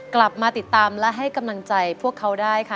กลับมาติดตามและให้กำลังใจพวกเขาได้ค่ะ